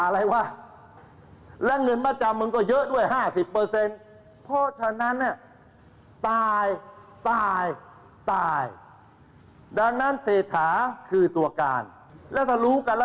แล้วจะรู้กันแล้วได้อะไร